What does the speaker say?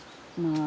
ああ。